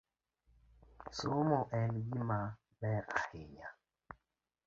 Somo en gima ber ahinya.